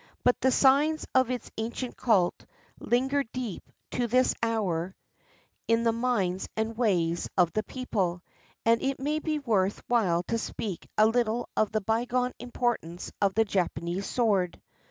But the signs of its ancient cult linger deep to this hour in the minds and ways of 378 THE SWORD OF JAPAN the people, and it may be worth while to speak a little of the bygone importance of the Japanese sword.